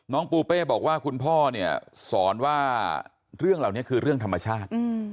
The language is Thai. ปูเป้บอกว่าคุณพ่อเนี่ยสอนว่าเรื่องเหล่านี้คือเรื่องธรรมชาติ